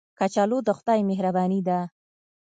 کچالو د خدای مهرباني ده